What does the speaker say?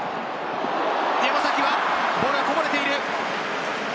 山崎は、ボールがこぼれている。